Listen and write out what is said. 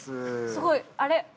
すごい、あれ？